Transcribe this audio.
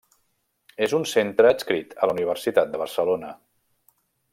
És un centre adscrit a la Universitat de Barcelona.